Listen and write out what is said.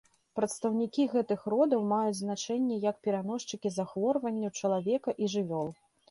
Прадстаўнікі гэтых родаў маюць значэнне як пераносчыкі захворванняў чалавека і жывёл.